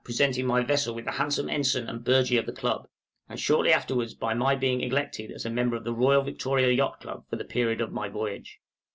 presenting my vessel with the handsome ensign and burgee of the Club; and shortly afterwards by my being elected a member of the Royal Victoria Yacht Club for the period of my voyage.